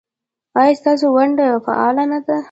ایا ستاسو ونډه فعاله نه ده؟